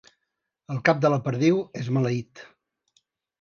El cap de la perdiu és maleït.